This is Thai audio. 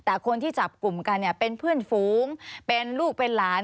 แต่คนที่จับกลุ่มกันเนี่ยเป็นเพื่อนฝูงเป็นลูกเป็นหลาน